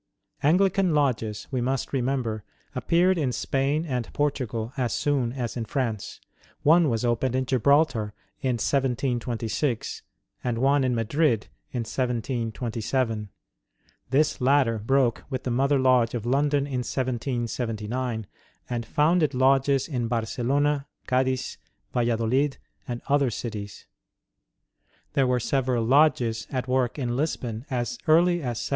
Anglican lodges, we must remember, appeared in Spain and Portugal as soon as in France. One was opened in Gibraltar in 1726, and one in Madrid in 1727. This latter broke with the mother lodge of London in 1779, and founded lodges in Barcelona, Cadiz, Vallidolid, and other cities. There were several lodges at work in Lisbon as early as 17;)5.